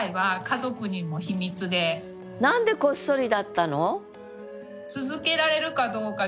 何でこっそりだったの？